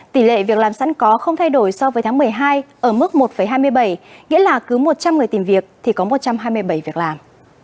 tỷ lệ việc làm sẵn có không thay đổi so với tháng một mươi hai ở mức một hai mươi bảy nghĩa là cứ một trăm linh người tìm việc thì có một trăm hai mươi bảy việc làm